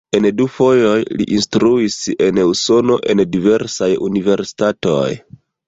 En du fojoj li instruis en Usono en diversaj universitatoj.